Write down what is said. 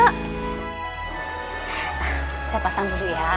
nah saya pasang dulu ya